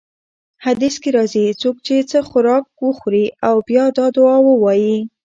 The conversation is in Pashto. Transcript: حديث کي راځي: څوک چې څه خوراک وخوري او بيا دا دعاء ووايي: